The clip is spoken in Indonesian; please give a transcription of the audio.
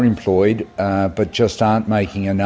tapi tidak mencapai sepenuhnya